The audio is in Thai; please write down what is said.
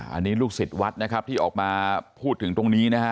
อันนี้ลูกศิษย์วัดนะครับที่ออกมาพูดถึงตรงนี้นะฮะ